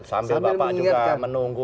sambil bapak juga menunggu